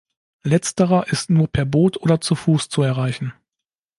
Letzterer ist nur per Boot oder zu Fuß zu erreichen.